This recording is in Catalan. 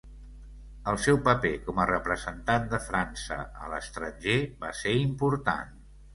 El seu paper com a representant de França a l'estranger va ser important.